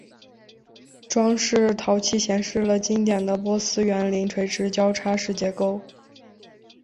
装饰陶器显示了经典的波斯园林垂直交叉式结构。